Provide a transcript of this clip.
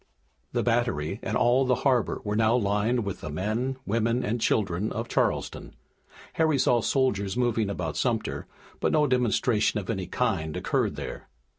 The Battery and all the harbor were now lined with the men, women and children of Charleston. Harry saw soldiers moving about Sumter, but no demonstration of any kind occurred there.